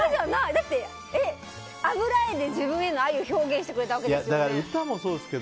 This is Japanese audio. だって、油絵で自分への愛を表現してくれたわけですよね。